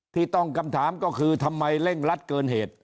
ที่ต้องคำถามก็คือทำไมเร่งรัดเกินเหตุ